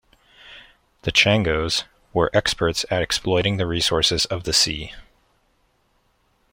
The Changos were experts at exploiting the resources of the sea.